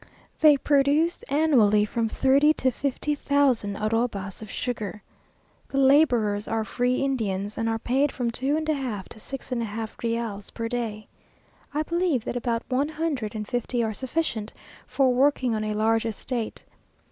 They produce annually from thirty to fifty thousand arrobas of sugar. The labourers are free Indians, and are paid from two and a half to six and a half reals per day. I believe that about one hundred and fifty are sufficient for working on a large estate.